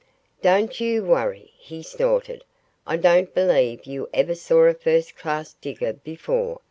"Don't you worry!" he snorted. "I don't believe you ever saw a first class digger before.